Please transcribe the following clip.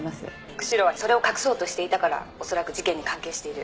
「釧路はそれを隠そうとしていたから恐らく事件に関係している」